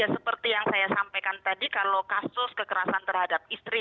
seperti yang saya sampaikan tadi kalau kasus kekerasan terhadap istri